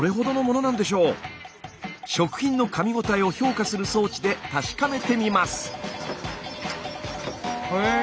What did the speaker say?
食品のかみごたえを評価する装置で確かめてみます。